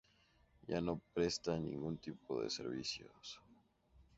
Ya no presta ningún tipo de servicios.